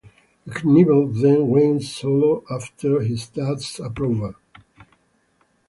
Knievel then went solo after his dad's approval.